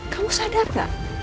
kamu sadar gak